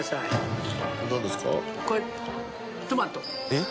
えっ！